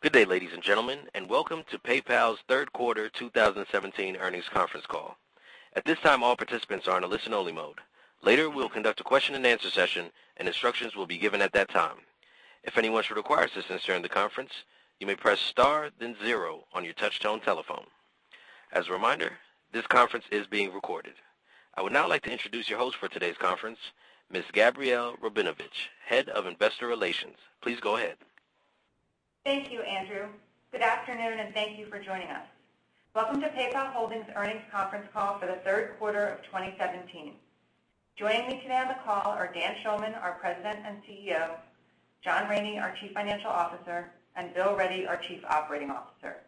Good day, ladies and gentlemen, and welcome to PayPal's third quarter 2017 earnings conference call. At this time, all participants are in a listen-only mode. Later, we will conduct a question and answer session, and instructions will be given at that time. If anyone should require assistance during the conference, you may press star then zero on your touchtone telephone. As a reminder, this conference is being recorded. I would now like to introduce your host for today's conference, Ms. Gabrielle Rabinovitch, Head of Investor Relations. Please go ahead. Thank you, Andrew. Good afternoon, and thank you for joining us. Welcome to PayPal Holdings earnings conference call for the third quarter of 2017. Joining me today on the call are Dan Schulman, our President and CEO, John Rainey, our Chief Financial Officer, and Bill Ready, our Chief Operating Officer.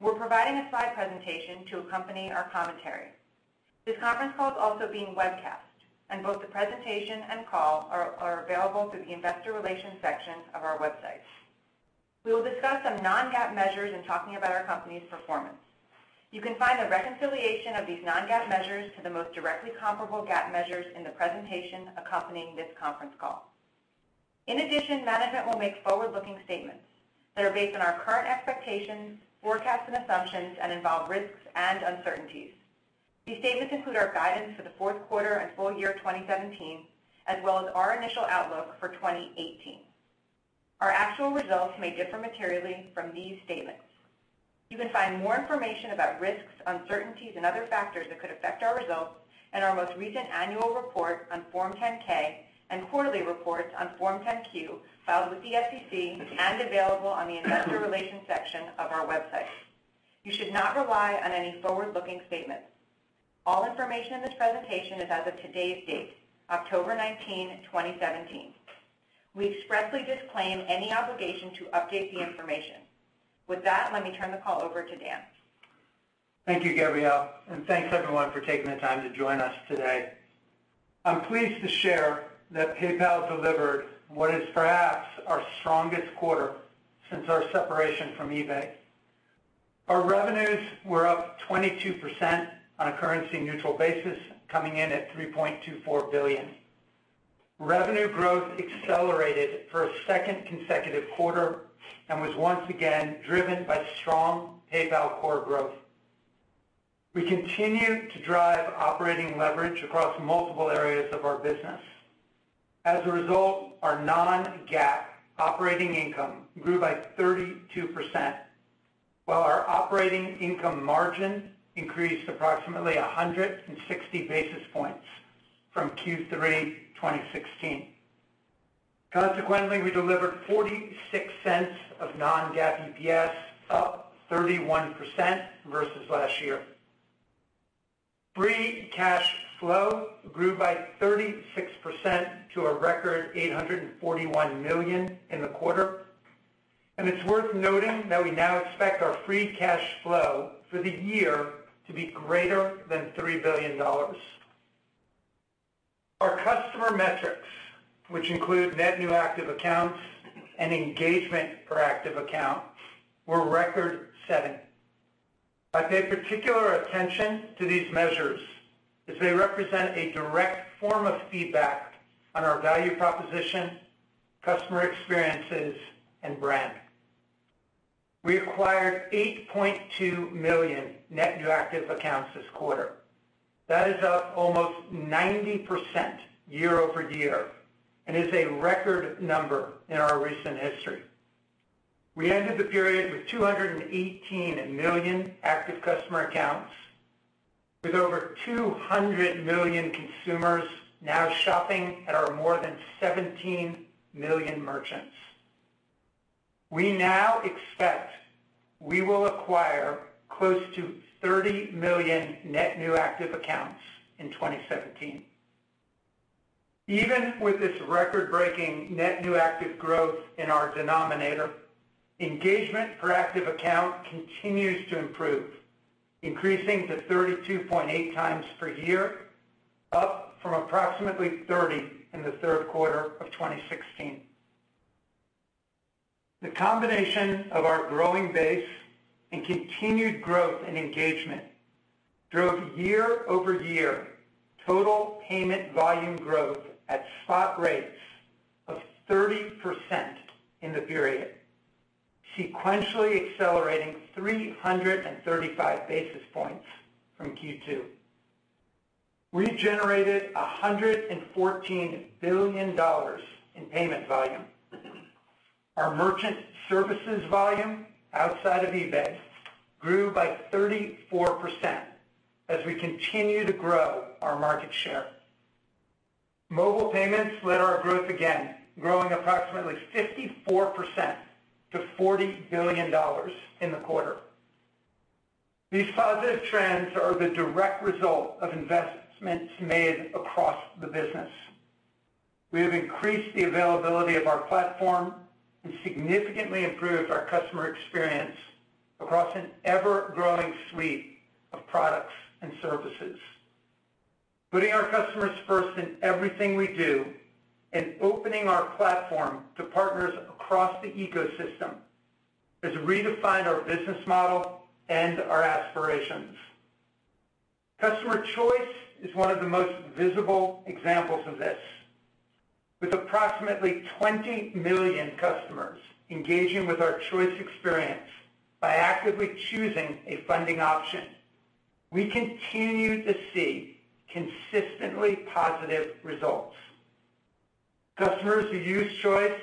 We are providing a slide presentation to accompany our commentary. This conference call is also being webcast, and both the presentation and call are available through the investor relations section of our website. We will discuss some non-GAAP measures in talking about our company's performance. You can find the reconciliation of these non-GAAP measures to the most directly comparable GAAP measures in the presentation accompanying this conference call. Management will make forward-looking statements that are based on our current expectations, forecasts, and assumptions and involve risks and uncertainties. These statements include our guidance for the fourth quarter and full year 2017, as well as our initial outlook for 2018. Our actual results may differ materially from these statements. You can find more information about risks, uncertainties, and other factors that could affect our results in our most recent annual report on Form 10-K and quarterly reports on Form 10-Q, filed with the SEC and available on the investor relations section of our website. You should not rely on any forward-looking statements. All information in this presentation is as of today's date, October 19, 2017. We expressly disclaim any obligation to update the information. Let me turn the call over to Dan. Thank you, Gabrielle, and thanks everyone for taking the time to join us today. I am pleased to share that PayPal delivered what is perhaps our strongest quarter since our separation from eBay. Our revenues were up 22% on a currency-neutral basis, coming in at $3.24 billion. Revenue growth accelerated for a second consecutive quarter and was once again driven by strong PayPal core growth. We continued to drive operating leverage across multiple areas of our business. As a result, our non-GAAP operating income grew by 32%, while our operating income margin increased approximately 160 basis points from Q3 2016. We delivered $0.46 of non-GAAP EPS, up 31% versus last year. Free cash flow grew by 36% to a record $841 million in the quarter. It is worth noting that we now expect our free cash flow for the year to be greater than $3 billion. Our customer metrics, which include net new active accounts and engagement per active account, were record-setting. I pay particular attention to these measures as they represent a direct form of feedback on our value proposition, customer experiences, and brand. We acquired 8.2 million net new active accounts this quarter. That is up almost 90% year-over-year and is a record number in our recent history. We ended the period with 218 million active customer accounts, with over 200 million consumers now shopping at our more than 17 million merchants. We now expect we will acquire close to 30 million net new active accounts in 2017. Even with this record-breaking net new active growth in our denominator, engagement per active account continues to improve, increasing to 32.8 times per year, up from approximately 30 in the third quarter of 2016. The combination of our growing base and continued growth in engagement drove year-over-year total payment volume growth at spot rates of 30% in the period, sequentially accelerating 335 basis points from Q2. We generated $114 billion in payment volume. Our merchant services volume outside of eBay grew by 34% as we continue to grow our market share. Mobile payments led our growth again, growing approximately 54% to $40 billion in the quarter. These positive trends are the direct result of investments made across the business. We have increased the availability of our platform and significantly improved our customer experience across an ever-growing suite of products and services. Putting our customers first in everything we do and opening our platform to partners across the ecosystem has redefined our business model and our aspirations. Customer Choice is one of the most visible examples of this. With approximately 20 million customers engaging with our Choice experience by actively choosing a funding option, we continue to see consistently positive results. Customers who use Choice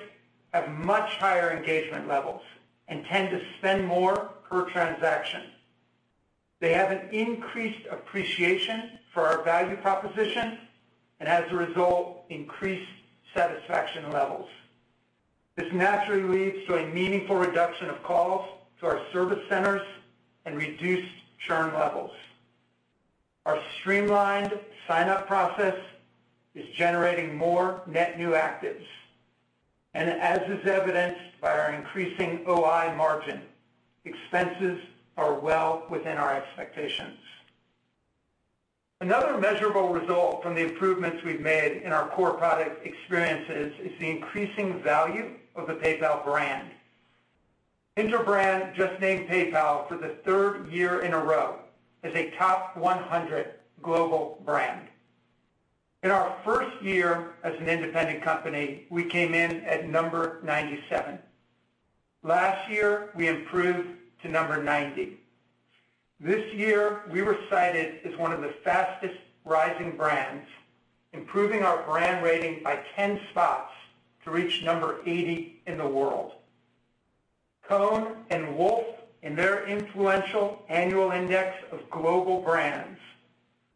have much higher engagement levels and tend to spend more per transaction. They have an increased appreciation for our value proposition, and as a result, increased satisfaction levels. This naturally leads to a meaningful reduction of calls to our service centers and reduced churn levels. Our streamlined signup process is generating more net new actives. As is evidenced by our increasing OI margin, expenses are well within our expectations. Another measurable result from the improvements we've made in our core product experiences is the increasing value of the PayPal brand. Interbrand just named PayPal for the third year in a row as a top 100 global brand. In our first year as an independent company, we came in at number 97. Last year, we improved to number 90. This year, we were cited as one of the fastest rising brands, improving our brand rating by 10 spots to reach number 80 in the world. Cohn & Wolfe, in their influential annual index of global brands,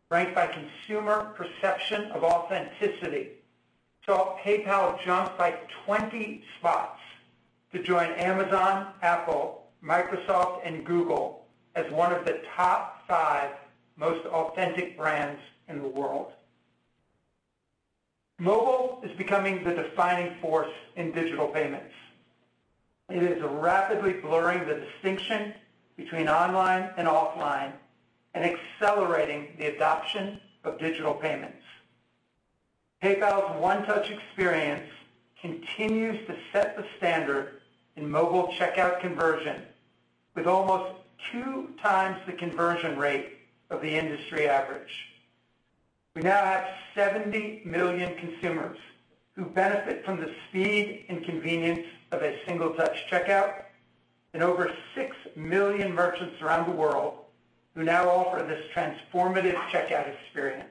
ranked by consumer perception of authenticity, saw PayPal jump by 20 spots to join Amazon, Apple, Microsoft, and Google as one of the top five most authentic brands in the world. Mobile is becoming the defining force in digital payments. It is rapidly blurring the distinction between online and offline and accelerating the adoption of digital payments. PayPal's One Touch experience continues to set the standard in mobile checkout conversion with almost two times the conversion rate of the industry average. We now have 70 million consumers who benefit from the speed and convenience of a single-touch checkout, and over 6 million merchants around the world who now offer this transformative checkout experience.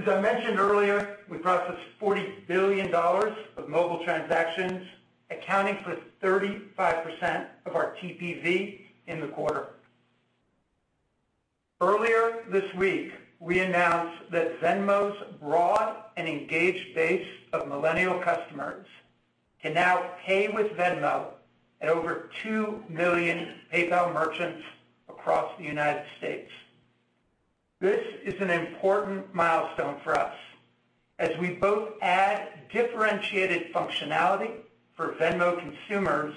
As I mentioned earlier, we processed $40 billion of mobile transactions, accounting for 35% of our TPV in the quarter. Earlier this week, we announced that Venmo's broad and engaged base of millennial customers can now Pay with Venmo at over 2 million PayPal merchants across the U.S. This is an important milestone for us as we both add differentiated functionality for Venmo consumers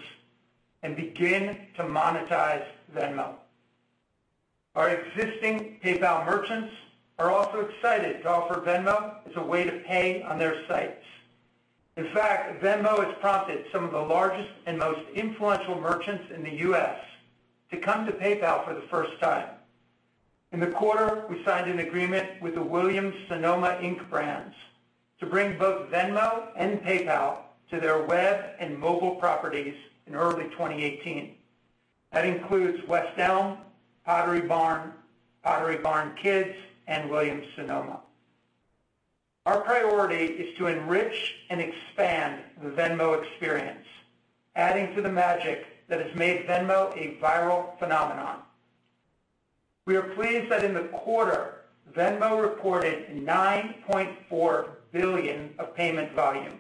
and begin to monetize Venmo. Our existing PayPal merchants are also excited to offer Venmo as a way to pay on their sites. In fact, Venmo has prompted some of the largest and most influential merchants in the U.S. to come to PayPal for the first time. In the quarter, we signed an agreement with the Williams-Sonoma, Inc. brands to bring both Venmo and PayPal to their web and mobile properties in early 2018. That includes West Elm, Pottery Barn, Pottery Barn Kids, and Williams-Sonoma. Our priority is to enrich and expand the Venmo experience, adding to the magic that has made Venmo a viral phenomenon. We are pleased that in the quarter, Venmo reported $9.4 billion of payment volume,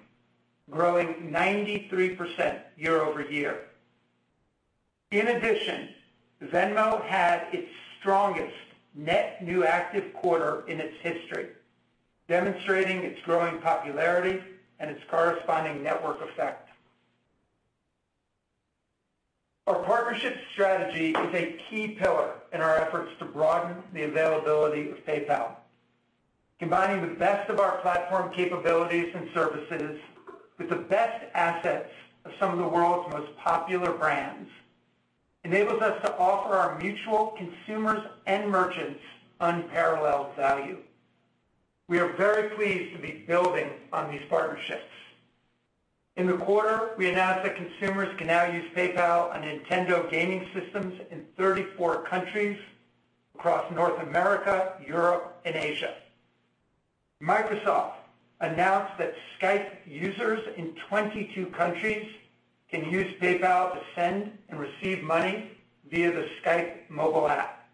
growing 93% year-over-year. In addition, Venmo had its strongest net new active quarter in its history, demonstrating its growing popularity and its corresponding network effect. Our partnership strategy is a key pillar in our efforts to broaden the availability of PayPal. Combining the best of our platform capabilities and services with the best assets of some of the world's most popular brands enables us to offer our mutual consumers and merchants unparalleled value. We are very pleased to be building on these partnerships. In the quarter, we announced that consumers can now use PayPal on Nintendo gaming systems in 34 countries across North America, Europe, and Asia. Microsoft announced that Skype users in 22 countries can use PayPal to send and receive money via the Skype mobile app.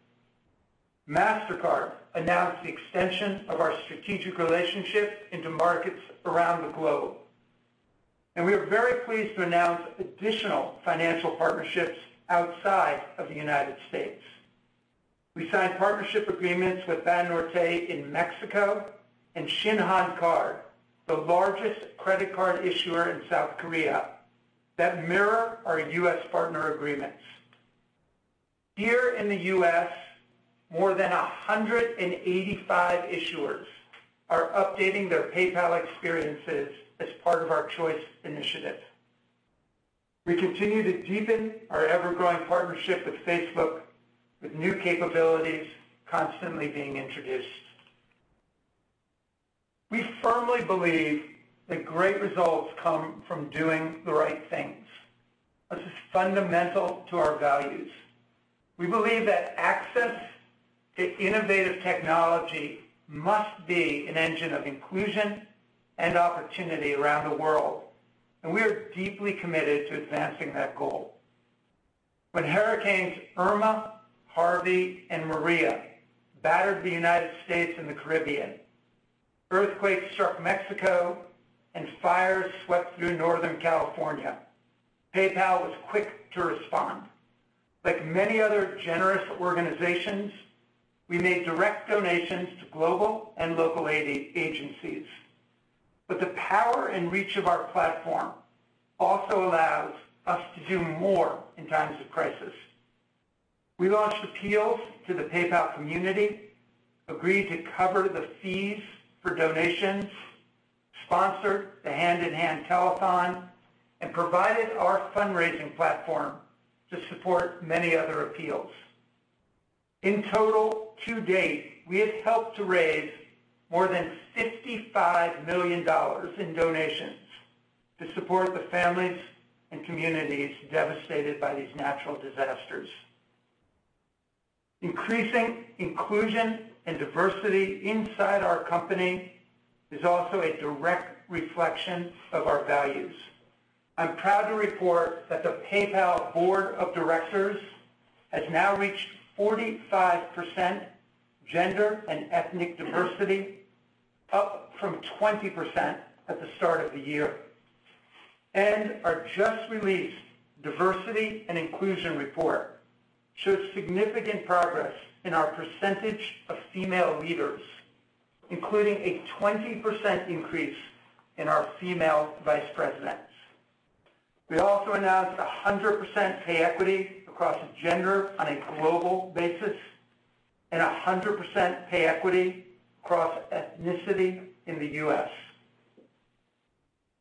Mastercard announced the extension of our strategic relationship into markets around the globe. We are very pleased to announce additional financial partnerships outside of the U.S. We signed partnership agreements with Banorte in Mexico and Shinhan Card, the largest credit card issuer in South Korea, that mirror our U.S. partner agreements. Here in the U.S., more than 185 issuers are updating their PayPal experiences as part of our Choice initiative. We continue to deepen our ever-growing partnership with Facebook, with new capabilities constantly being introduced. We firmly believe that great results come from doing the right things. This is fundamental to our values. We believe that access to innovative technology must be an engine of inclusion and opportunity around the world, and we are deeply committed to advancing that goal. When hurricanes Irma, Harvey, and Maria battered the U.S. and the Caribbean, earthquakes struck Mexico, and fires swept through Northern California, PayPal was quick to respond. Like many other generous organizations, we made direct donations to global and local aid agencies. The power and reach of our platform also allows us to do more in times of crisis. We launched appeals to the PayPal community, agreed to cover the fees for donations, sponsored the Hand in Hand Telethon, and provided our fundraising platform to support many other appeals. In total, to date, we have helped to raise more than $55 million in donations to support the families and communities devastated by these natural disasters. Increasing inclusion and diversity inside our company is also a direct reflection of our values. I'm proud to report that the PayPal Board of Directors has now reached 45% gender and ethnic diversity, up from 20% at the start of the year. Our just-released diversity and inclusion report shows significant progress in our percentage of female leaders, including a 20% increase in our female vice presidents. We also announced 100% pay equity across gender on a global basis, and 100% pay equity across ethnicity in the U.S.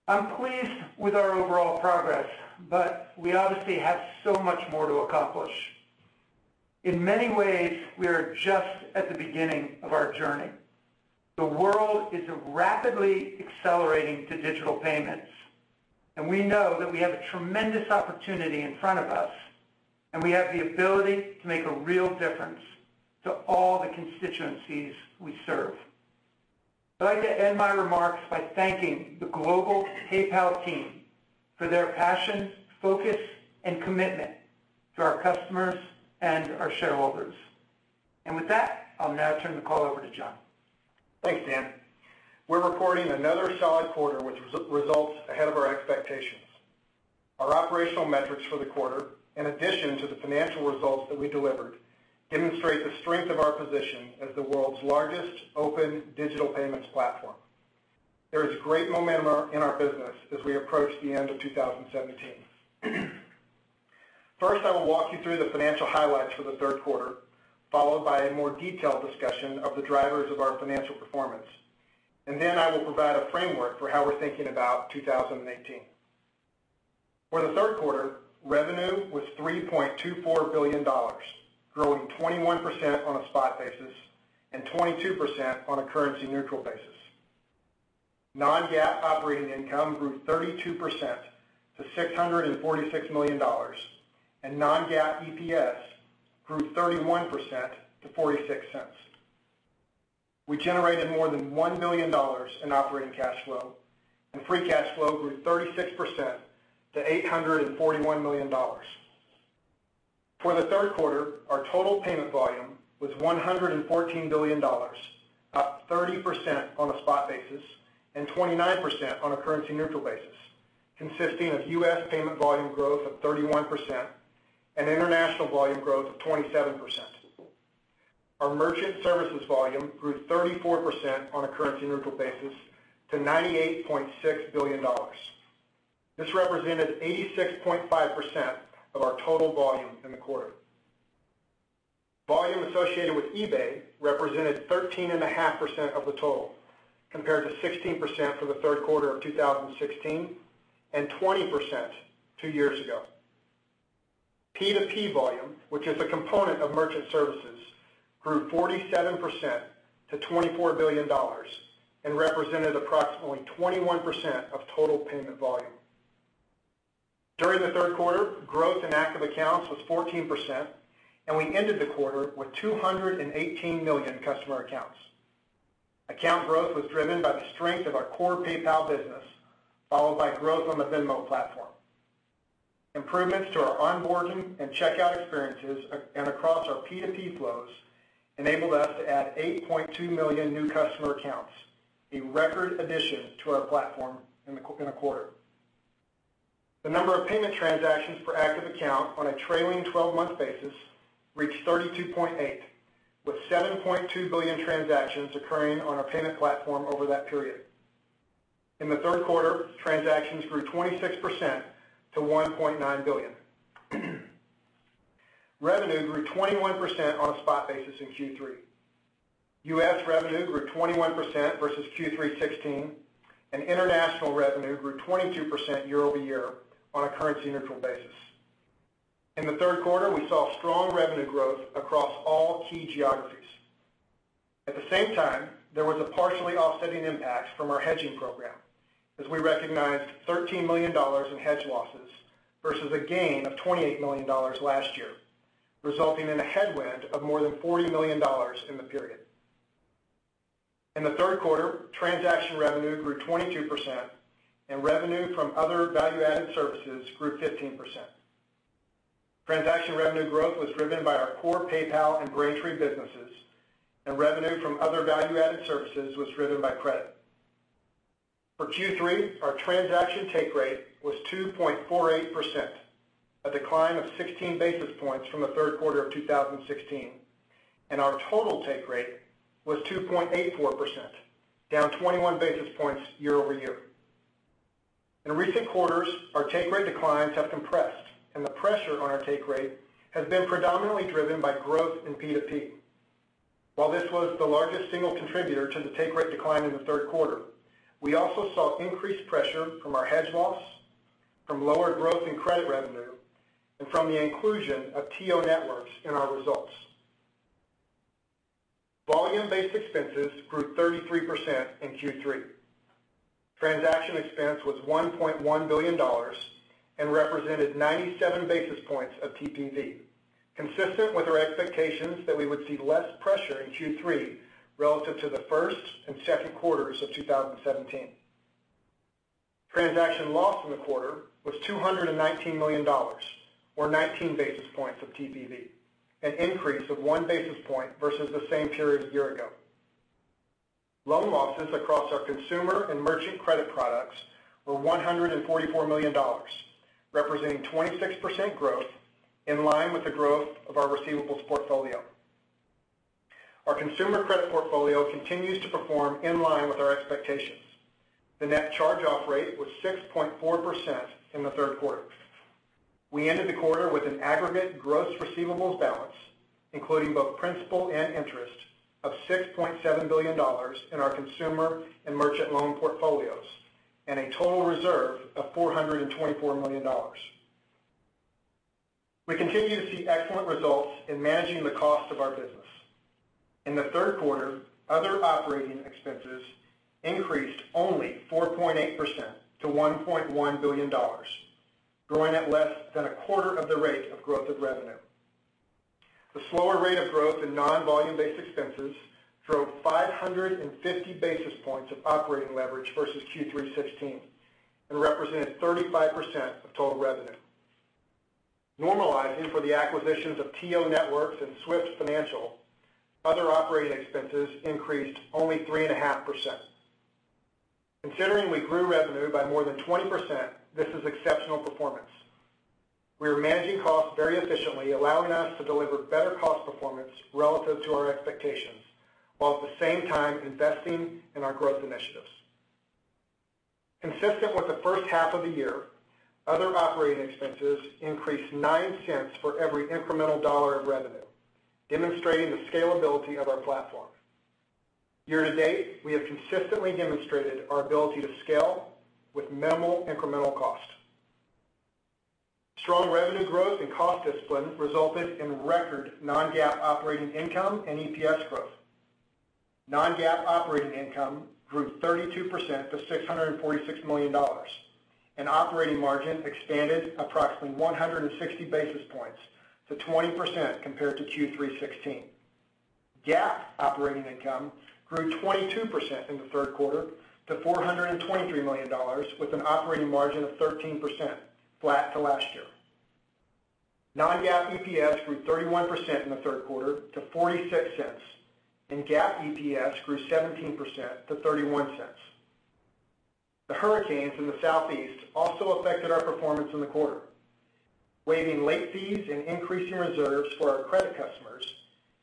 I'm pleased with our overall progress, we obviously have so much more to accomplish. In many ways, we are just at the beginning of our journey. The world is rapidly accelerating to digital payments, and we know that we have a tremendous opportunity in front of us, and we have the ability to make a real difference to all the constituencies we serve. I'd like to end my remarks by thanking the global PayPal team for their passion, focus, and commitment to our customers and our shareholders. With that, I'll now turn the call over to John. Thanks, Dan. We're reporting another solid quarter, with results ahead of our expectations. Our operational metrics for the quarter, in addition to the financial results that we delivered, demonstrate the strength of our position as the world's largest open digital payments platform. There is great momentum in our business as we approach the end of 2017. First, I will walk you through the financial highlights for the third quarter, followed by a more detailed discussion of the drivers of our financial performance. Then I will provide a framework for how we're thinking about 2018. For the third quarter, revenue was $3.24 billion, growing 21% on a spot basis and 22% on a currency neutral basis. Non-GAAP operating income grew 32% to $646 million, and non-GAAP EPS grew 31% to $0.46. We generated more than $1 million in operating cash flow, and free cash flow grew 36% to $841 million. For the third quarter, our total payment volume was $114 billion, up 30% on a spot basis and 29% on a currency neutral basis, consisting of U.S. payment volume growth of 31% and international volume growth of 27%. Our merchant services volume grew 34% on a currency neutral basis to $98.6 billion. This represented 86.5% of our total volume in the quarter. Volume associated with eBay represented 13.5% of the total, compared to 16% for the third quarter of 2016 and 20% two years ago. P2P volume, which is a component of merchant services, grew 47% to $24 billion, and represented approximately 21% of total payment volume. During the third quarter, growth in active accounts was 14%, and we ended the quarter with 218 million customer accounts. Account growth was driven by the strength of our core PayPal business, followed by growth on the Venmo platform. Improvements to our onboarding and checkout experiences and across our P2P flows enabled us to add 8.2 million new customer accounts, a record addition to our platform in a quarter. The number of payment transactions per active account on a trailing 12-month basis reached 32.8, with 7.2 billion transactions occurring on our payment platform over that period. In the third quarter, transactions grew 26% to 1.9 billion. Revenue grew 21% on a spot basis in Q3. U.S. revenue grew 21% versus Q3 2016, and international revenue grew 22% year-over-year on a currency-neutral basis. In the third quarter, we saw strong revenue growth across all key geographies. At the same time, there was a partially offsetting impact from our hedging program as we recognized $13 million in hedge losses versus a gain of $28 million last year, resulting in a headwind of more than $40 million in the period. In the third quarter, transaction revenue grew 22%, and revenue from other value-added services grew 15%. Transaction revenue growth was driven by our core PayPal and Braintree businesses, and revenue from other value-added services was driven by credit. For Q3, our transaction take rate was 2.48%, a decline of 16 basis points from the third quarter of 2016, and our total take rate was 2.84%, down 21 basis points year-over-year. In recent quarters, our take rate declines have compressed, and the pressure on our take rate has been predominantly driven by growth in P2P. While this was the largest single contributor to the take rate decline in the third quarter, we also saw increased pressure from our hedge loss, from lower growth in credit revenue, and from the inclusion of TIO Networks in our results. Volume-based expenses grew 33% in Q3. Transaction expense was $1.1 billion and represented 97 basis points of TPV, consistent with our expectations that we would see less pressure in Q3 relative to the first and second quarters of 2017. Transaction loss in the quarter was $219 million, or 19 basis points of TPV, an increase of one basis point versus the same period a year ago. Loan losses across our consumer and merchant credit products were $144 million, representing 26% growth in line with the growth of our receivables portfolio. Our consumer credit portfolio continues to perform in line with our expectations. The net charge-off rate was 6.4% in the third quarter. We ended the quarter with an aggregate gross receivables balance, including both principal and interest of $6.7 billion in our consumer and merchant loan portfolios, and a total reserve of $424 million. We continue to see excellent results in managing the cost of our business. In the third quarter, other operating expenses increased only 4.8% to $1.1 billion, growing at less than a quarter of the rate of growth of revenue. The slower rate of growth in non-volume-based expenses drove 550 basis points of operating leverage versus Q3 2016 and represented 35% of total revenue. Normalizing for the acquisitions of TIO Networks and Swift Financial, other operating expenses increased only 3.5%. Considering we grew revenue by more than 20%, this is exceptional performance. We are managing costs very efficiently, allowing us to deliver better cost performance relative to our expectations, while at the same time investing in our growth initiatives. Consistent with the first half of the year, other operating expenses increased $0.09 for every incremental dollar of revenue, demonstrating the scalability of our platform. Year-to-date, we have consistently demonstrated our ability to scale with minimal incremental cost. Strong revenue growth and cost discipline resulted in record non-GAAP operating income and EPS growth. Non-GAAP operating income grew 32% to $646 million, and operating margin expanded approximately 160 basis points to 20% compared to Q3 2016. GAAP operating income grew 22% in the third quarter to $423 million, with an operating margin of 13%, flat to last year. Non-GAAP EPS grew 31% in the third quarter to $0.46, and GAAP EPS grew 17% to $0.31. The hurricanes in the Southeast also affected our performance in the quarter. Waiving late fees and increasing reserves for our credit customers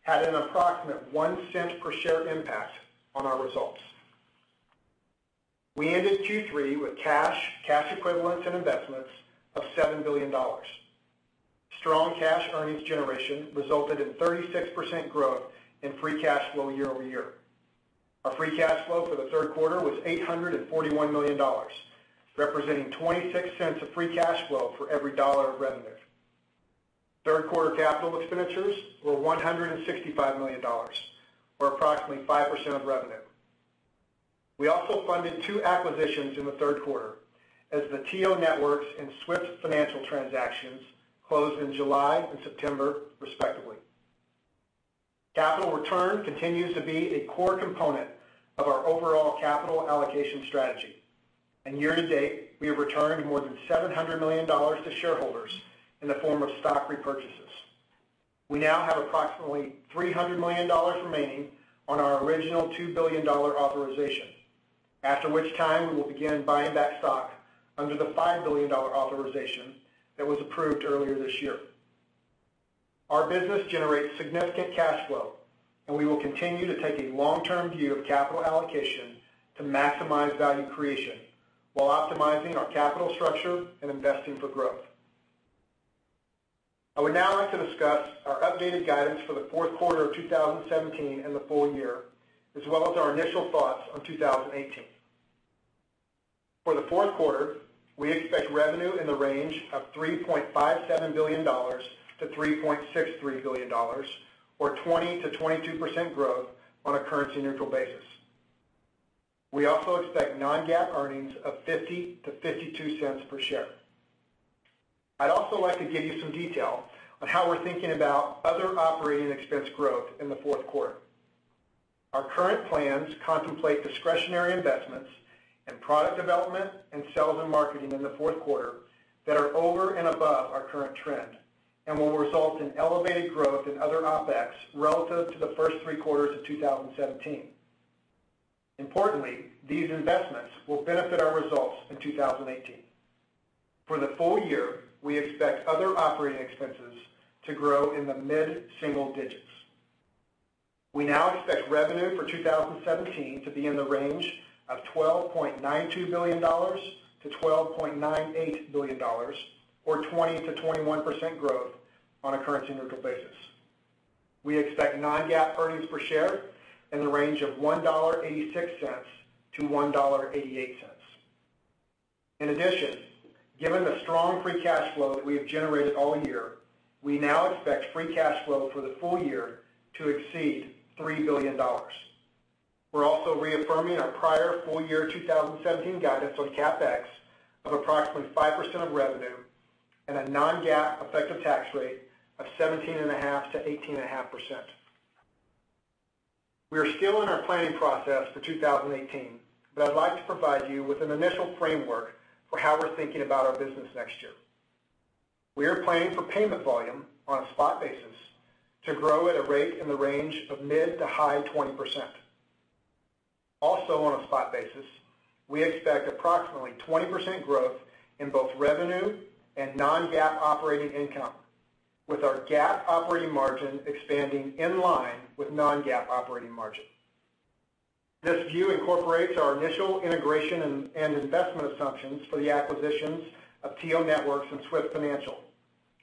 had an approximate $0.01 per share impact on our results. We ended Q3 with cash equivalents, and investments of $7 billion. Strong cash earnings generation resulted in 36% growth in free cash flow year-over-year. Our free cash flow for the third quarter was $841 million, representing $0.26 of free cash flow for every dollar of revenue. Third quarter capital expenditures were $165 million, or approximately 5% of revenue. We also funded two acquisitions in the third quarter as the TIO Networks and Swift Financial transactions closed in July and September, respectively. Capital return continues to be a core component of our overall capital allocation strategy, and year-to-date, we have returned more than $700 million to shareholders in the form of stock repurchases. We now have approximately $300 million remaining on our original $2 billion authorization, after which time we will begin buying back stock under the $5 billion authorization that was approved earlier this year. Our business generates significant cash flow. We will continue to take a long-term view of capital allocation to maximize value creation while optimizing our capital structure and investing for growth. I would now like to discuss our updated guidance for the fourth quarter of 2017 and the full year, as well as our initial thoughts on 2018. For the fourth quarter, we expect revenue in the range of $3.57 billion to $3.63 billion, or 20%-22% growth on a currency-neutral basis. We also expect non-GAAP earnings of $0.50-$0.52 per share. I'd also like to give you some detail on how we're thinking about other operating expense growth in the fourth quarter. Our current plans contemplate discretionary investments in product development and sales and marketing in the fourth quarter that are over and above our current trend and will result in elevated growth in other OpEx relative to the first three quarters of 2017. Importantly, these investments will benefit our results in 2018. For the full year, we expect other operating expenses to grow in the mid-single digits. We now expect revenue for 2017 to be in the range of $12.92 billion to $12.98 billion, or 20%-21% growth on a currency-neutral basis. We expect non-GAAP earnings per share in the range of $1.86-$1.88. In addition, given the strong free cash flow that we have generated all year, we now expect free cash flow for the full year to exceed $3 billion. We're also reaffirming our prior full-year 2017 guidance on CapEx of approximately 5% of revenue and a non-GAAP effective tax rate of 17.5%-18.5%. We are still in our planning process for 2018, but I'd like to provide you with an initial framework for how we're thinking about our business next year. We are planning for payment volume on a spot basis to grow at a rate in the range of mid to high 20%. Also on a spot basis, we expect approximately 20% growth in both revenue and non-GAAP operating income, with our GAAP operating margin expanding in line with non-GAAP operating margin. This view incorporates our initial integration and investment assumptions for the acquisitions of TIO Networks and Swift Financial,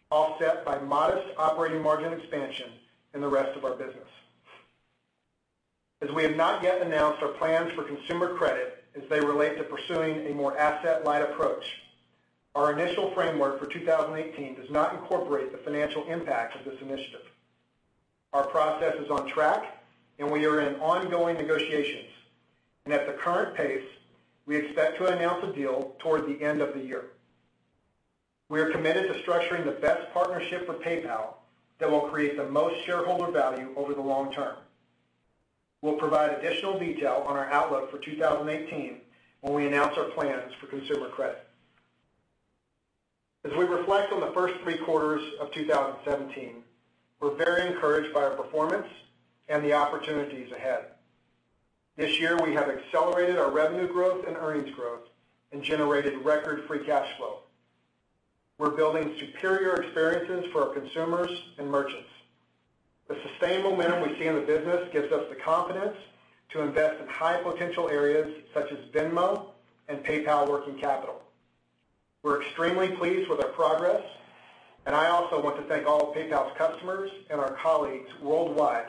offset by modest operating margin expansion in the rest of our business. As we have not yet announced our plans for consumer credit as they relate to pursuing a more asset-light approach, our initial framework for 2018 does not incorporate the financial impact of this initiative. Our process is on track, we are in ongoing negotiations. At the current pace, we expect to announce a deal toward the end of the year. We are committed to structuring the best partnership with PayPal that will create the most shareholder value over the long term. We'll provide additional detail on our outlook for 2018 when we announce our plans for consumer credit. As we reflect on the first three quarters of 2017, we're very encouraged by our performance and the opportunities ahead. This year, we have accelerated our revenue growth and earnings growth and generated record free cash flow. We're building superior experiences for our consumers and merchants. The sustained momentum we see in the business gives us the confidence to invest in high-potential areas such as Venmo and PayPal Working Capital. We're extremely pleased with our progress, and I also want to thank all of PayPal's customers and our colleagues worldwide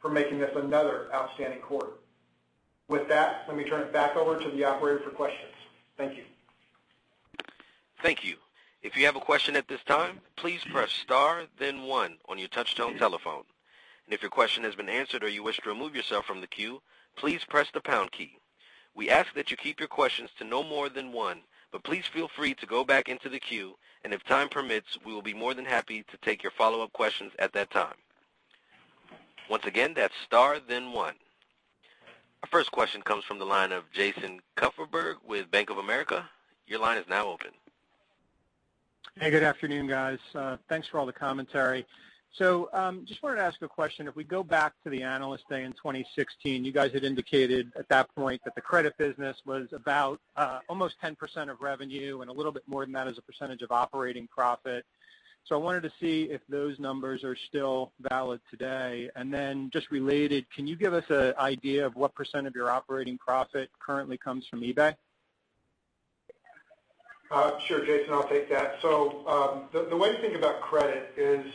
for making this another outstanding quarter. With that, let me turn it back over to the operator for questions. Thank you. Thank you. If you have a question at this time, please press star then one on your touch-tone telephone. If your question has been answered or you wish to remove yourself from the queue, please press the pound key. We ask that you keep your questions to no more than one, but please feel free to go back into the queue, and if time permits, we will be more than happy to take your follow-up questions at that time. Once again, that's star then one. Our first question comes from the line of Jason Kupferberg with Bank of America. Your line is now open. Hey, good afternoon, guys. Thanks for all the commentary. Just wanted to ask a question. If we go back to the Analyst Day in 2016, you guys had indicated at that point that the credit business was about almost 10% of revenue and a little bit more than that as a percentage of operating profit. I wanted to see if those numbers are still valid today. Just related, can you give us an idea of what % of your operating profit currently comes from eBay? Sure, Jason, I'll take that. The way to think about credit is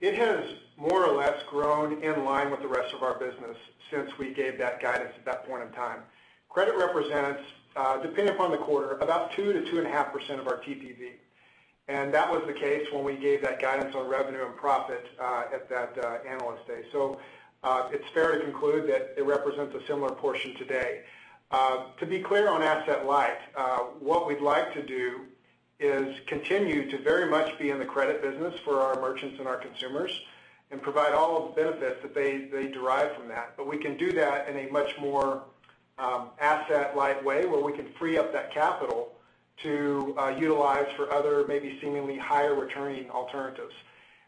it has more or less grown in line with the rest of our business since we gave that guidance at that point in time. Credit represents, depending upon the quarter, about 2%-2.5% of our TPV. That was the case when we gave that guidance on revenue and profit at that Analyst Day. It's fair to conclude that it represents a similar portion today. To be clear on asset light, what we'd like to do is continue to very much be in the credit business for our merchants and our consumers and provide all of the benefits that they derive from that. We can do that in a much more asset-light way, where we can free up that capital to utilize for other maybe seemingly higher-returning alternatives.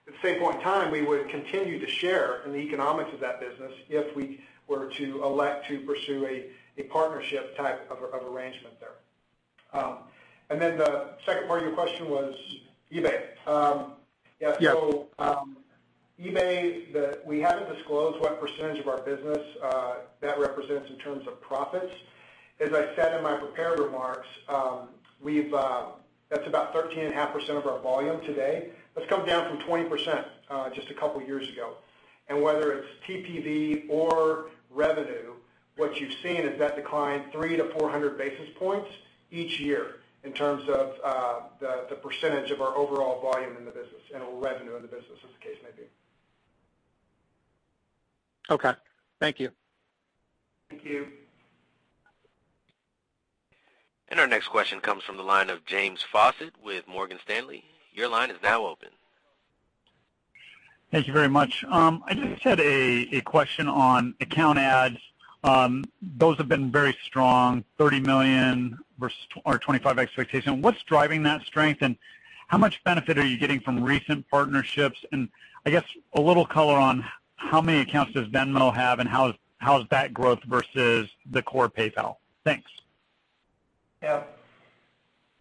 At the same point in time, we would continue to share in the economics of that business if we were to elect to pursue a partnership type of arrangement there. The second part of your question was eBay. Yes. eBay, we haven't disclosed what percentage of our business that represents in terms of profits. As I said in my prepared remarks, that's about 13.5% of our volume today. That's come down from 20% just a couple of years ago. Whether it's TPV or revenue, what you've seen is that decline three to 400 basis points each year in terms of the percentage of our overall volume in the business, and revenue in the business as the case may be. Okay. Thank you. Thank you. Our next question comes from the line of James Faucette with Morgan Stanley. Your line is now open. Thank you very much. I just had a question on account adds. Those have been very strong, 30 million versus our 25 expectation. What's driving that strength, and how much benefit are you getting from recent partnerships? I guess a little color on how many accounts does Venmo have, and how is that growth versus the core PayPal? Thanks. Yeah.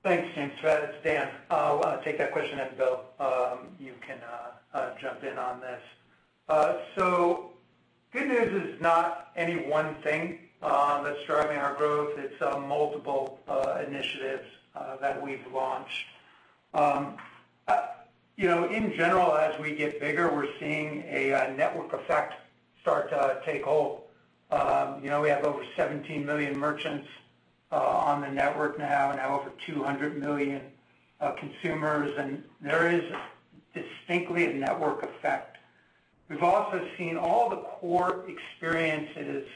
Thanks, James. It's Dan. I'll take that question, and Bill, you can jump in on this. Good news is not any one thing that's driving our growth. It's multiple initiatives that we've launched. In general, as we get bigger, we're seeing a network effect start to take hold. We have over 17 million merchants on the network now, and now over 200 million consumers, there is distinctly a network effect. We've also seen all the core experiences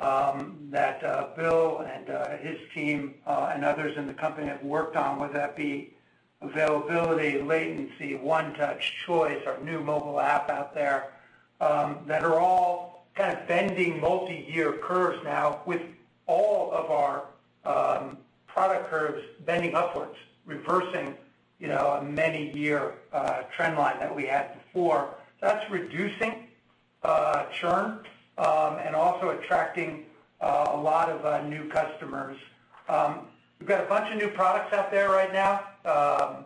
that Bill and his team, and others in the company have worked on, whether that be availability, latency, One Touch, Choice, our new mobile app out there that are all kind of bending multi-year curves now with all of our product curves bending upwards, reversing a many year trend line that we had before. That's reducing churn and also attracting a lot of new customers. We've got a bunch of new products out there right now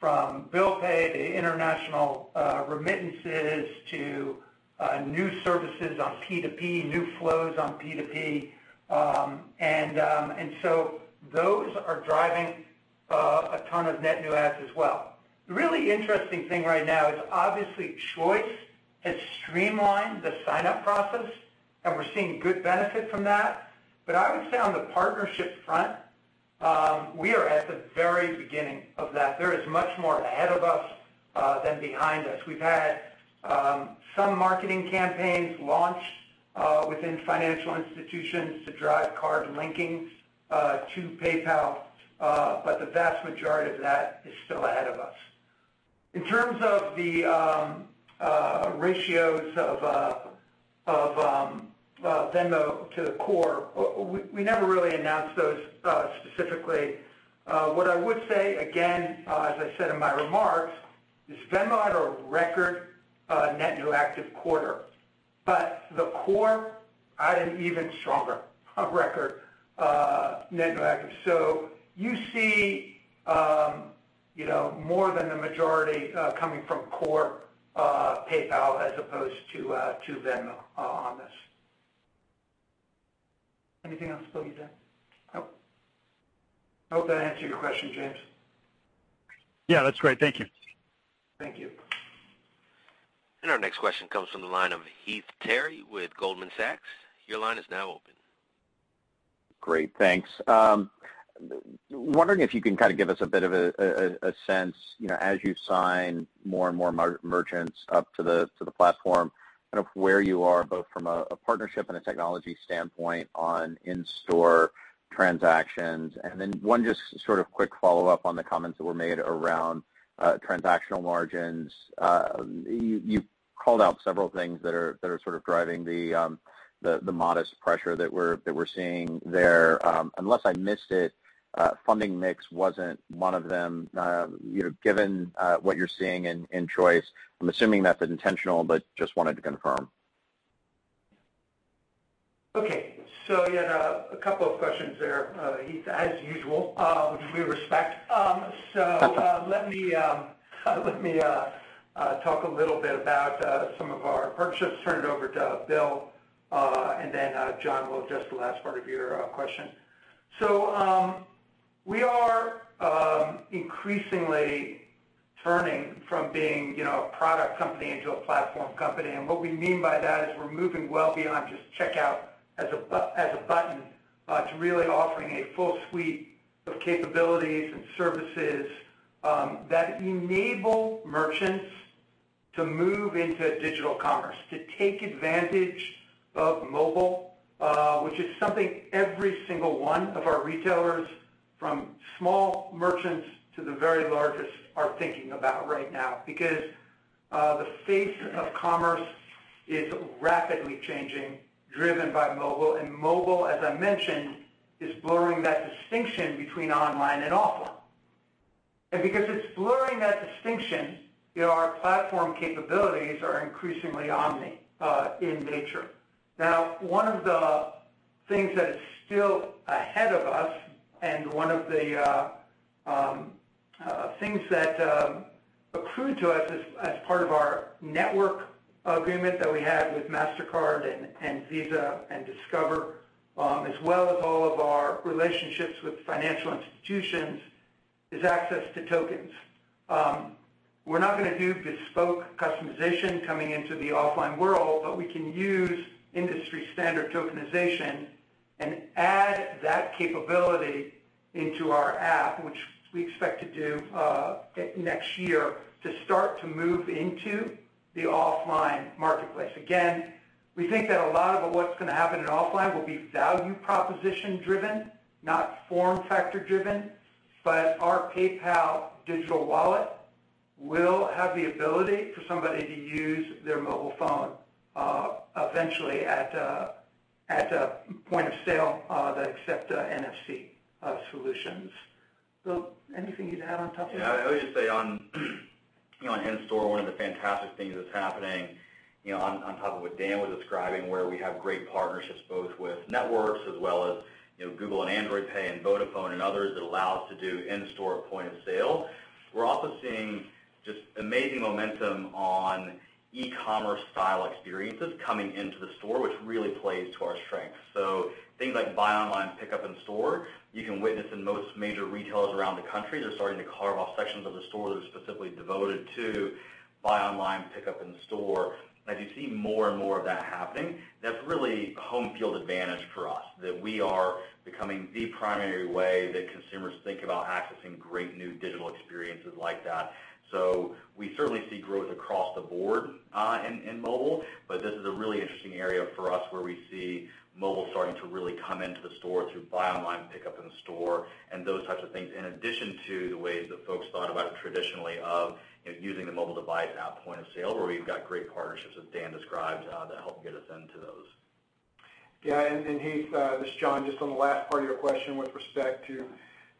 from PayPal Bill Pay to international remittances to new services on P2P, new flows on P2P. Those are driving a ton of net new adds as well. The really interesting thing right now is obviously Choice has streamlined the signup process, and we're seeing good benefit from that. I would say on the partnership front we are at the very beginning of that. There is much more ahead of us than behind us. We've had some marketing campaigns launch within financial institutions to drive card linking to PayPal, the vast majority of that is still ahead of us. In terms of the ratios of Venmo to the core, we never really announced those specifically. What I would say, again as I said in my remarks, is Venmo had a record net new active quarter, the core had an even stronger record net new active. You see more than the majority coming from core PayPal as opposed to Venmo on this. Anything else, Bill you'd add? Nope. I hope that answered your question, James. Yeah, that's great. Thank you. Thank you. Our next question comes from the line of Heath Terry with Goldman Sachs. Your line is now open. Great. Thanks. Wondering if you can kind of give us a bit of a sense, as you sign more and more merchants up to the platform, kind of where you are both from a partnership and a technology standpoint on in-store transactions. Then one just sort of quick follow-up on the comments that were made around transactional margins. You called out several things that are sort of driving the modest pressure that we're seeing there. Unless I missed it, funding mix wasn't one of them. Given what you're seeing in Choice, I'm assuming that's intentional, but just wanted to confirm. Okay. You had a couple of questions there Heath, as usual, which we respect. Okay. Let me talk a little bit about some of our partnerships, turn it over to Bill, and then John will address the last part of your question. We are increasingly turning from being a product company into a platform company, and what we mean by that is we're moving well beyond just checkout as a button to really offering a full suite of capabilities and services that enable merchants to move into digital commerce, to take advantage of mobile which is something every single one of our retailers from small merchants to the very largest are thinking about right now because the face of commerce is rapidly changing, driven by mobile. Mobile, as I mentioned, is blurring that distinction between online and offline. Because it's blurring that distinction, our platform capabilities are increasingly omni in nature. Now, one of the things that is still ahead of us, and one of the things that accrued to us as part of our network agreement that we had with Mastercard and Visa and Discover, as well as all of our relationships with financial institutions, is access to tokens. We're not going to do bespoke customization coming into the offline world, but we can use industry-standard tokenization and add that capability into our app, which we expect to do next year to start to move into the offline marketplace. Again, we think that a lot of what's going to happen in offline will be value proposition driven, not form factor driven, but our PayPal digital wallet will have the ability for somebody to use their mobile phone eventually at a point of sale that accept NFC solutions. Bill, anything you'd add on top of that? Yeah, I would just say on in-store, one of the fantastic things that's happening on top of what Dan was describing, where we have great partnerships both with networks as well as Google and Android Pay and Vodafone and others that allow us to do in-store point-of-sale. We're also seeing just amazing momentum on e-commerce style experiences coming into the store, which really plays to our strength. Things like buy online, pick up in store, you can witness in most major retailers around the country, they're starting to carve off sections of the store that are specifically devoted to buy online, pick up in store. As you see more and more of that happening, that's really home field advantage for us, that we are becoming the primary way that consumers think about accessing great new digital experiences like that. We certainly see growth across the board in mobile, but this is a really interesting area for us where we see mobile starting to really come into the store through buy online, pick up in store and those types of things, in addition to the ways that folks thought about it traditionally of using the mobile device at point-of-sale, where we've got great partnerships, as Dan described, that help get us into those. Yeah. Heath, this is John, just on the last part of your question with respect to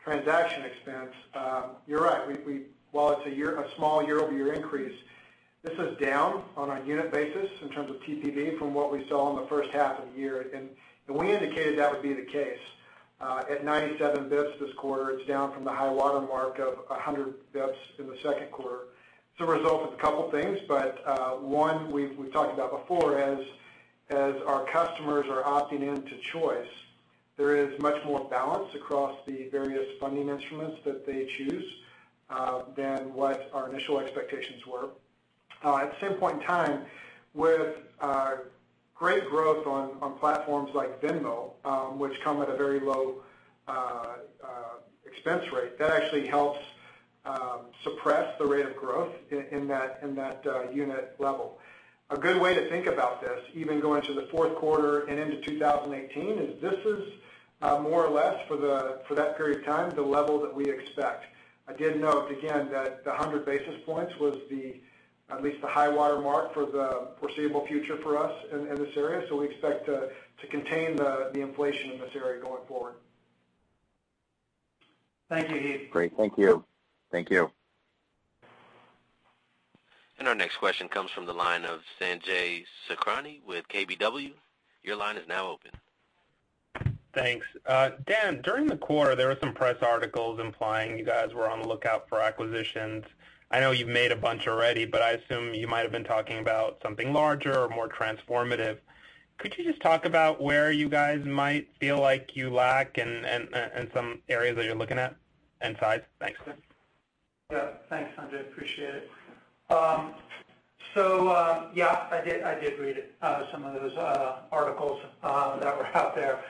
transaction expense. You're right. While it's a small year-over-year increase, this is down on a unit basis in terms of TPV from what we saw in the first half of the year, and we indicated that would be the case. At 97 basis points this quarter, it's down from the high-water mark of 100 basis points in the second quarter. It's a result of a couple things, but one we've talked about before, as our customers are opting in to Customer Choice, there is much more balance across the various funding instruments that they choose than what our initial expectations were. At the same point in time, with great growth on platforms like Venmo, which come at a very low expense rate, that actually helps suppress the rate of growth in that unit level. A good way to think about this, even going into the fourth quarter and into 2018, is this is more or less for that period of time, the level that we expect. I did note again that the 100 basis points was at least the high-water mark for the foreseeable future for us in this area. We expect to contain the inflation in this area going forward. Thank you, Heath. Great. Thank you. Our next question comes from the line of Sanjay Sakhrani with KBW. Your line is now open. Thanks. Dan, during the quarter, there were some press articles implying you guys were on the lookout for acquisitions. I know you've made a bunch already, but I assume you might have been talking about something larger or more transformative. Could you just talk about where you guys might feel like you lack and some areas that you're looking at and size? Thanks. Thanks, Sanjay, appreciate it. I did read some of those articles that were out there.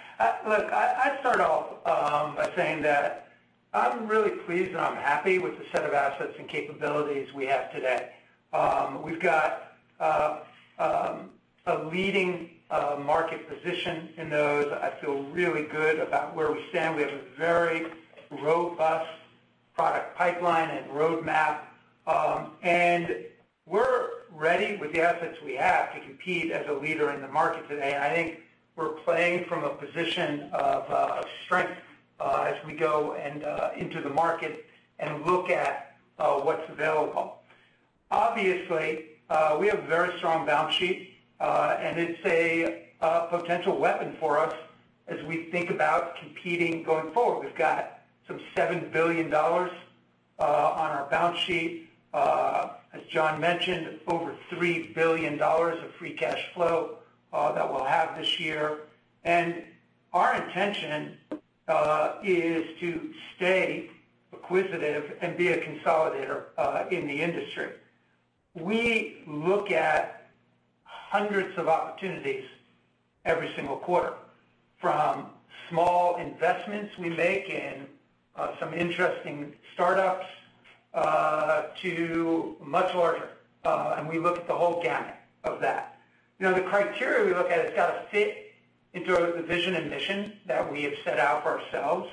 Look, I'd start off by saying that I'm really pleased and I'm happy with the set of assets and capabilities we have today. We've got a leading market position in those. I feel really good about where we stand. We have a very robust product pipeline and roadmap. We're ready with the assets we have to compete as a leader in the market today, and I think we're playing from a position of strength as we go into the market and look at what's available. Obviously, we have a very strong balance sheet, and it's a potential weapon for us as we think about competing going forward. We've got some $7 billion on our balance sheet. As John mentioned, over $3 billion of free cash flow that we'll have this year, our intention is to stay acquisitive and be a consolidator in the industry. We look at hundreds of opportunities every single quarter, from small investments we make in some interesting startups to much larger, we look at the whole gamut of that. The criteria we look at, it's got to fit into the vision and mission that we have set out for ourselves.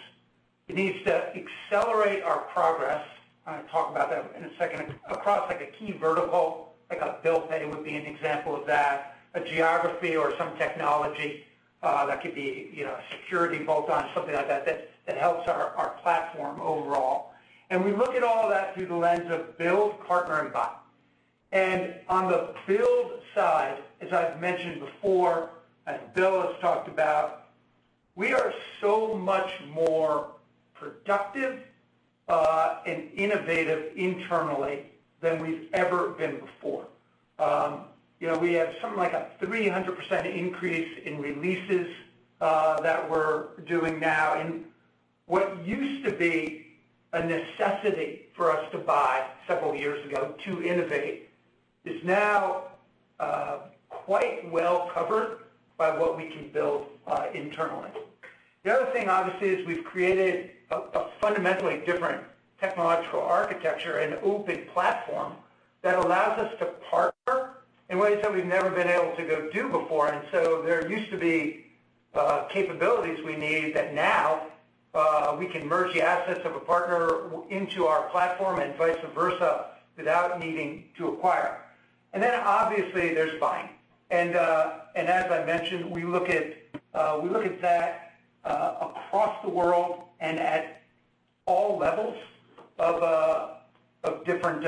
It needs to accelerate our progress, I'll talk about that in a second, across a key vertical, like a PayPal Bill Pay would be an example of that, a geography or some technology. That could be security bolt-on, something like that helps our platform overall. We look at all of that through the lens of build, partner, and buy. On the build side, as I've mentioned before, as Bill has talked about, we are so much more productive and innovative internally than we've ever been before. We have something like a 300% increase in releases that we're doing now. What used to be a necessity for us to buy several years ago to innovate is now quite well-covered by what we can build internally. The other thing, obviously, is we've created a fundamentally different technological architecture and open platform that allows us to partner in ways that we've never been able to go do before. There used to be capabilities we need that now we can merge the assets of a partner into our platform and vice versa without needing to acquire. Obviously there's buying. As I mentioned, we look at that across the world and at all levels of different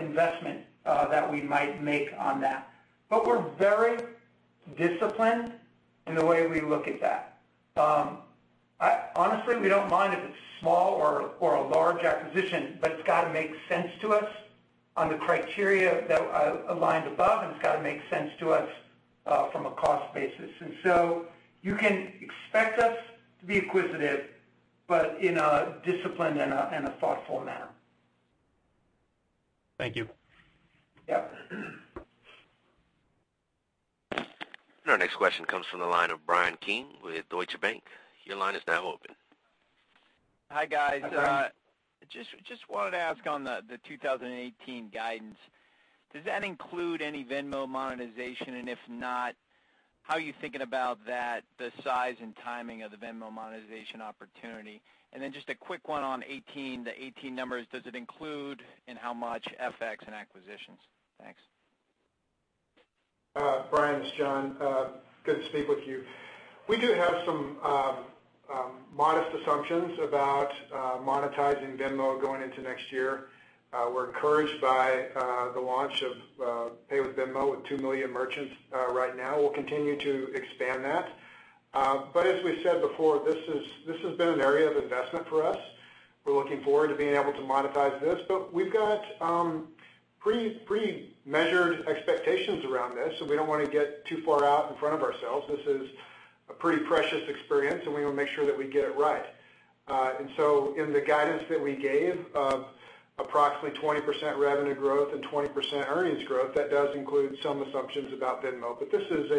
investment that we might make on that. We're very disciplined in the way we look at that. Honestly, we don't mind if it's small or a large acquisition, it's got to make sense to us on the criteria that I outlined above, and it's got to make sense to us from a cost basis. You can expect us to be inquisitive, but in a disciplined and a thoughtful manner. Thank you. Yep. Our next question comes from the line of Bryan Keane with Deutsche Bank. Your line is now open. Hi, guys. Hi, Bryan. Just wanted to ask on the 2018 guidance, does that include any Venmo monetization? If not, how are you thinking about that, the size and timing of the Venmo monetization opportunity? Then just a quick one on the 2018 numbers. Does it include in how much FX and acquisitions? Thanks. Bryan, this is John. Good to speak with you. We do have some modest assumptions about monetizing Venmo going into next year. We're encouraged by the launch of Pay with Venmo with 2 million merchants right now. We'll continue to expand that. As we said before, this has been an area of investment for us. We're looking forward to being able to monetize this. We've got pretty measured expectations around this, so we don't want to get too far out in front of ourselves. This is a pretty precious experience, and we want to make sure that we get it right. In the guidance that we gave of approximately 20% revenue growth and 20% earnings growth, that does include some assumptions about Venmo. This is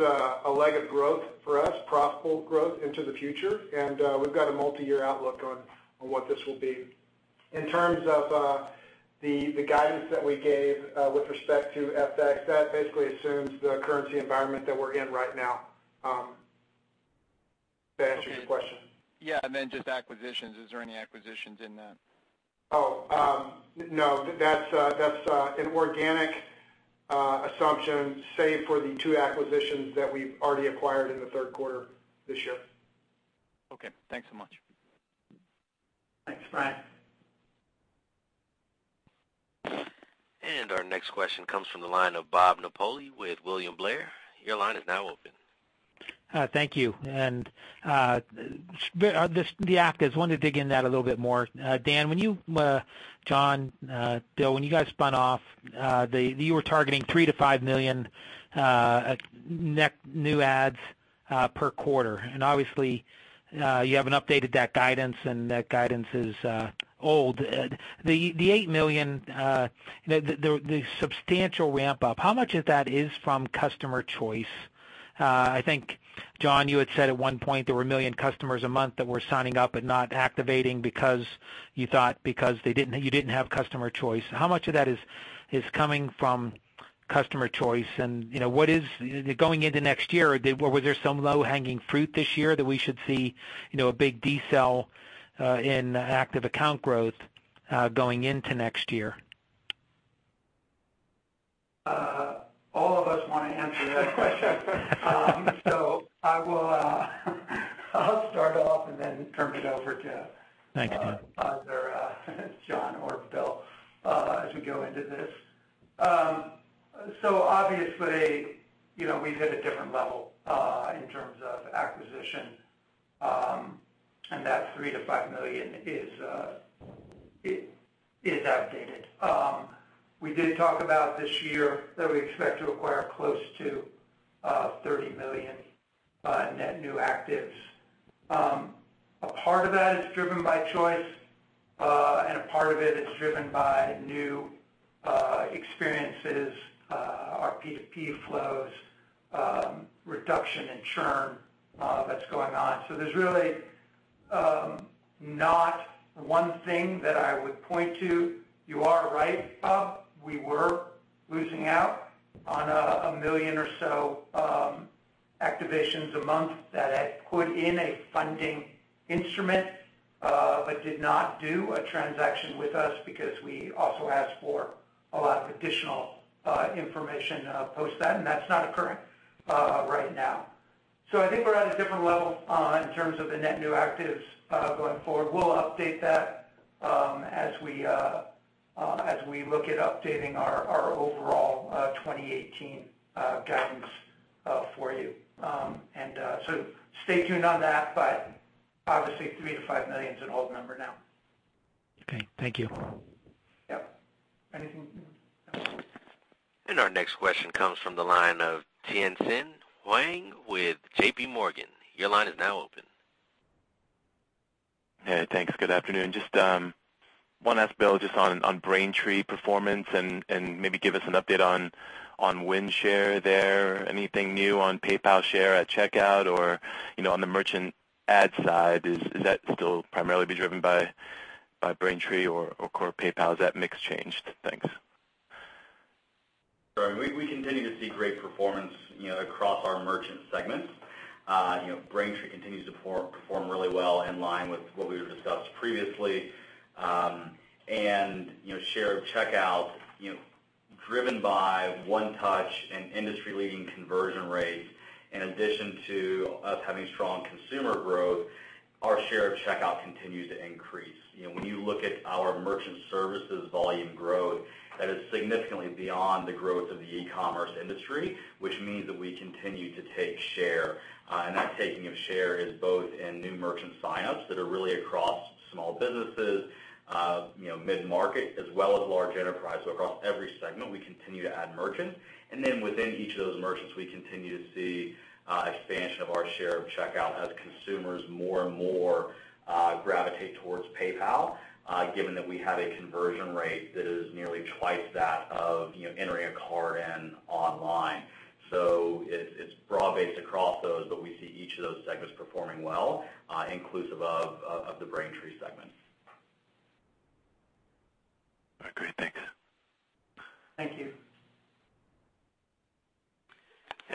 a leg of growth for us, profitable growth into the future. We've got a multi-year outlook on what this will be. In terms of the guidance that we gave with respect to FX, that basically assumes the currency environment that we're in right now. Does that answer your question? Yeah. Then just acquisitions. Is there any acquisitions in that? Oh. No, that's an organic assumption, save for the two acquisitions that we've already acquired in the third quarter this year. Okay, thanks so much. Thanks, Bryan. Our next question comes from the line of Bob Napoli with William Blair. Your line is now open. Thank you. The actives, wanted to dig into that a little bit more. Dan, John, Bill, when you guys spun off, you were targeting $3 million-$5 million net new adds per quarter. Obviously you haven't updated that guidance, and that guidance is old. The $8 million the substantial ramp-up, how much of that is from Customer Choice? I think, John, you had said at one point there were $1 million customers a month that were signing up but not activating because you thought because you didn't have Customer Choice. How much of that is coming from Customer Choice? Going into next year, was there some low-hanging fruit this year that we should see a big decel in active account growth going into next year? All of us want to answer that question. I'll start off and then turn it over. Thank you. either John or Bill as we go into this. Obviously, we've hit a different level in terms of acquisition. That $3 million-$5 million is outdated. We did talk about this year that we expect to acquire close to $30 million net new actives. A part of that is driven by choice, and a part of it is driven by new experiences, our P2P flows, reduction in churn that's going on. There's really not one thing that I would point to. You are right, Bob. We were losing out on $1 million or so activations a month that had put in a funding instrument. Did not do a transaction with us because we also asked for a lot of additional information post that, and that's not occurring right now. I think we're at a different level in terms of the net new actives going forward. We'll update that as we look at updating our overall 2018 guidance for you. Stay tuned on that, but obviously 3 million to 5 million is an old number now. Okay, thank you. Yep. Our next question comes from the line of Tien-Tsin Huang with J.P. Morgan. Your line is now open. Hey, thanks. Good afternoon. Just want to ask Bill on Braintree performance and maybe give us an update on win share there. Anything new on PayPal share at checkout, or on the merchant ad side, is that still primarily be driven by Braintree or core PayPal? Has that mix changed? Thanks. Sure. We continue to see great performance across our merchant segments. Braintree continues to perform really well in line with what we had discussed previously. Share of checkout, driven by One Touch and industry-leading conversion rates in addition to us having strong consumer growth, our share of checkout continues to increase. When you look at our merchant services volume growth, that is significantly beyond the growth of the e-commerce industry, which means that we continue to take share. That taking of share is both in new merchant sign-ups that are really across small businesses, mid-market as well as large enterprise. Across every segment, we continue to add merchants. Within each of those merchants, we continue to see expansion of our share of checkout as consumers more and more gravitate towards PayPal, given that we have a conversion rate that is nearly twice that of entering a card in online. It's broad-based across those, but we see each of those segments performing well, inclusive of the Braintree segment. Okay, great. Thanks. Thank you.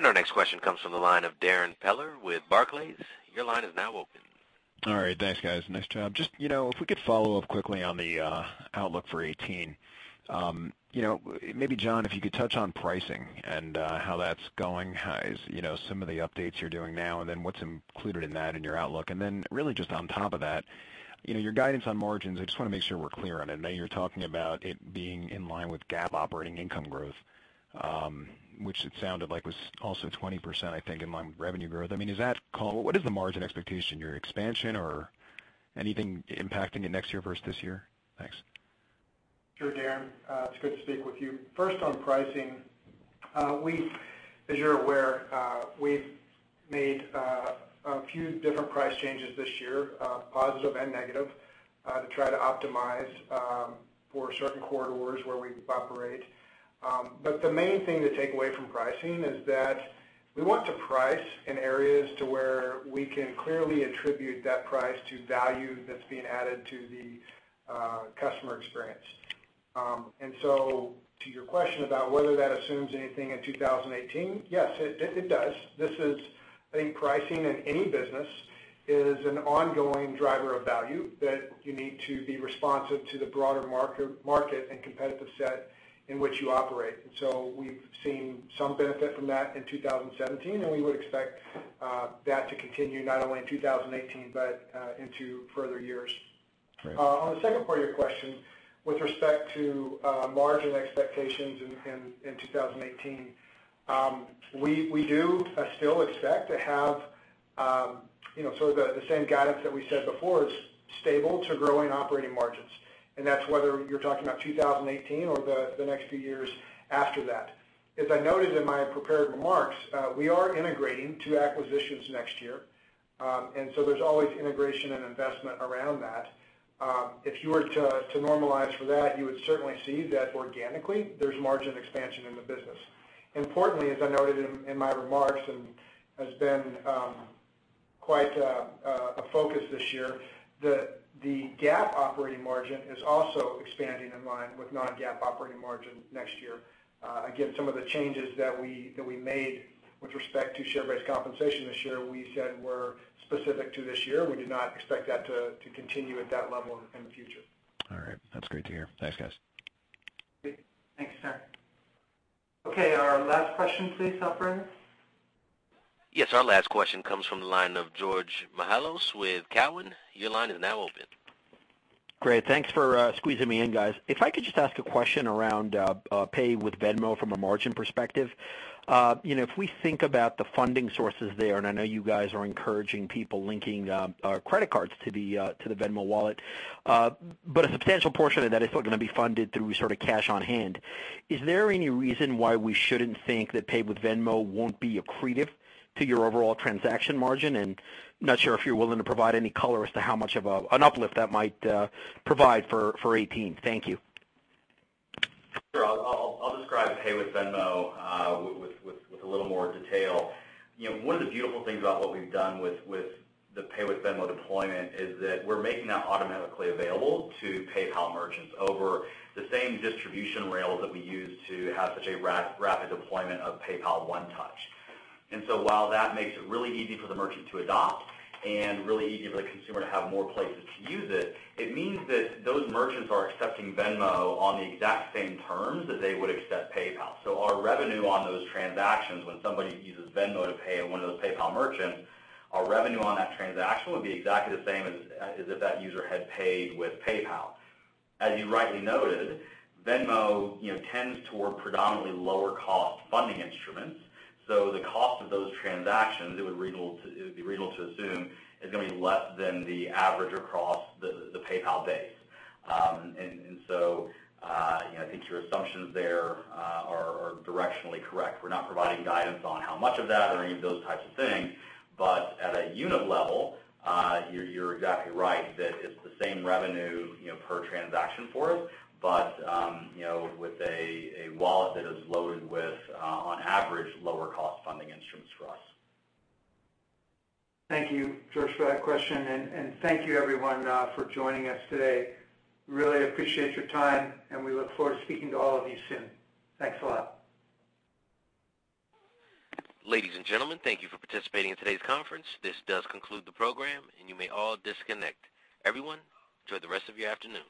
Our next question comes from the line of Darrin Peller with Barclays. Your line is now open. All right. Thanks, guys. Nice job. Just if we could follow up quickly on the outlook for 2018. Maybe John, if you could touch on pricing and how that's going. Some of the updates you're doing now, then what's included in that in your outlook. Really just on top of that, your guidance on margins, I just want to make sure we're clear on it. I know you're talking about it being in line with GAAP operating income growth, which it sounded like was also 20%, I think, in line with revenue growth. What is the margin expectation, your expansion or anything impacting it next year versus this year? Thanks. Sure, Darrin. It's good to speak with you. First on pricing, as you're aware, we've made a few different price changes this year, positive and negative, to try to optimize for certain corridors where we operate. The main thing to take away from pricing is that we want to price in areas to where we can clearly attribute that price to value that's being added to the customer experience. To your question about whether that assumes anything in 2018, yes, it does. I think pricing in any business is an ongoing driver of value that you need to be responsive to the broader market and competitive set in which you operate. We've seen some benefit from that in 2017, and we would expect that to continue not only in 2018, but into further years. Great. On the second part of your question, with respect to margin expectations in 2018, we do still expect to have the same guidance that we said before, is stable to growing operating margins. That's whether you're talking about 2018 or the next few years after that. As I noted in my prepared remarks, we are integrating two acquisitions next year, there's always integration and investment around that. If you were to normalize for that, you would certainly see that organically there's margin expansion in the business. Importantly, as I noted in my remarks, and has been quite a focus this year, the GAAP operating margin is also expanding in line with non-GAAP operating margin next year. Again, some of the changes that we made with respect to share-based compensation this year, we said were specific to this year. We do not expect that to continue at that level in the future. All right. That's great to hear. Thanks, guys. Great. Thanks, Darrin. Our last question please, operator. Yes, our last question comes from the line of Georgios Mihalos with Cowen. Your line is now open. Great. Thanks for squeezing me in, guys. If I could just ask a question around Pay with Venmo from a margin perspective. If we think about the funding sources there, I know you guys are encouraging people linking credit cards to the Venmo wallet. A substantial portion of that is still gonna be funded through sort of cash on hand. Is there any reason why we shouldn't think that Pay with Venmo won't be accretive to your overall transaction margin? Not sure if you're willing to provide any color as to how much of an uplift that might provide for 2018. Thank you. Sure. I'll describe Pay with Venmo with a little more detail. One of the beautiful things about what we've done with the Pay with Venmo deployment is that we're making that automatically available to PayPal merchants over the same distribution rails that we use to have such a rapid deployment of PayPal One Touch. While that makes it really easy for the merchant to adopt and really easy for the consumer to have more places to use it means that those merchants are accepting Venmo on the exact same terms that they would accept PayPal. Our revenue on those transactions when somebody uses Venmo to pay one of those PayPal merchants, our revenue on that transaction would be exactly the same as if that user had paid with PayPal. As you rightly noted, Venmo tends toward predominantly lower cost funding instruments, the cost of those transactions, it would be reasonable to assume, is gonna be less than the average across the PayPal base. I think your assumptions there are directionally correct. We're not providing guidance on how much of that or any of those types of things. At a unit level, you're exactly right that it's the same revenue per transaction for us. With a wallet that is loaded with, on average, lower cost funding instruments for us. Thank you, George, for that question. Thank you everyone for joining us today. Really appreciate your time. We look forward to speaking to all of you soon. Thanks a lot. Ladies and gentlemen, thank you for participating in today's conference. This does conclude the program. You may all disconnect. Everyone, enjoy the rest of your afternoon.